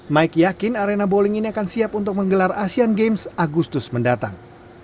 mike yakin arena bowling ini akan siap untuk menggelar asean games agustus mendatang